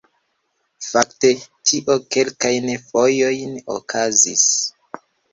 Fakte tio kelkajn fojojn okazis